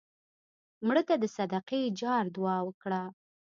مړه ته د صدقې جار دعا وکړه